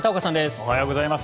おはようございます。